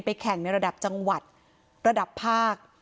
แข่งในระดับจังหวัดระดับภาค